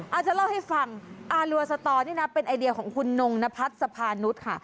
อาจจะเล่าให้ฟังอารัวสตอนี่นะเป็นไอเดียของคุณนงนพัฒน์สภานุษย์ค่ะ